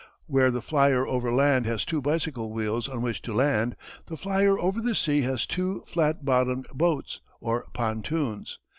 Where the flyer over land has two bicycle wheels on which to land, the flyer over the sea has two flat bottomed boats or pontoons.